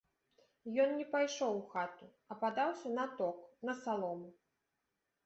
Ён не пайшоў у хату, а падаўся на ток, на салому.